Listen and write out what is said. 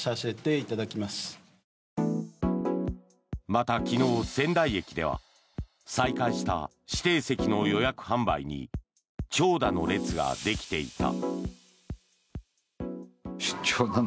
また、昨日、仙台駅では再開した指定席の予約販売に長蛇の列ができていた。